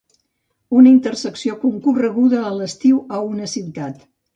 Una intersecció concorreguda a l'estiu a una ciutat.